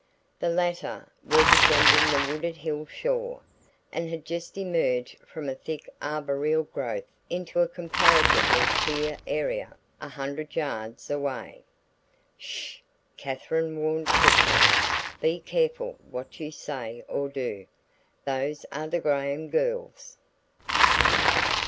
The latter were descending the wooded hill shore, and had just emerged from a thick arboreal growth into a comparatively clear area a hundred yards away. "Sh!" Katherine warned quickly. "Be careful what you say or do. Those are the Graham girls."